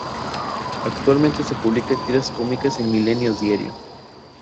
Actualmente se publica en tiras cómicas en "Milenio Diario".